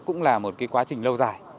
đó cũng là một quá trình lâu dài